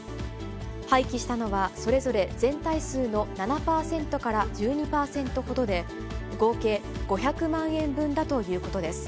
廃棄したのはそれぞれ全体数の７％から１２％ほどで、合計５００万円分だということです。